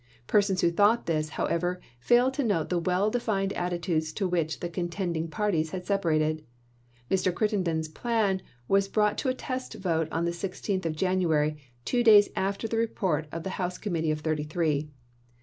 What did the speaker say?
Persons who thought this, however, failed to note the well defined attitudes into which the contending parties had separated. Mr. Critten den's plan was brought to a test vote on the 16th of January, two days after the report of the House i«a. Committee of Thirty three.